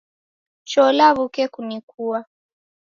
Cho lawuke kunikua